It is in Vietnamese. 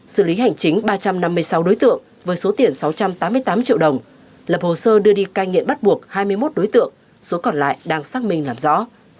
xử lý hành chính ba trăm năm mươi sáu đối tượng với số tiền sáu trăm tám mươi tám triệu đồng lập hồ sơ đưa đi cai nghiện bắt buộc hai mươi một đối tượng số còn lại đang xác minh làm rõ